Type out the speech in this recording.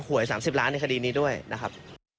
หวย๓๐ล้านในคดีนี้ด้วยนะครับ